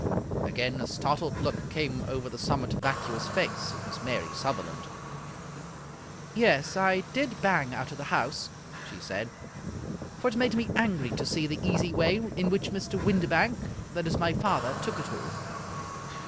Again a startled look came over the somewhat vacuous face of Miss Mary Sutherland. " Yes, I did bang out of the house," she said, " for it made me angry to see the easy way in which Mr. Windibank — ^that is, my father — took it all.